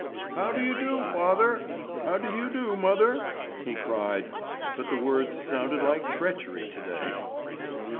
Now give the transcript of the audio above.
"How do you do, father? How do you do, mother?" he cried; but the words sounded like treachery to day.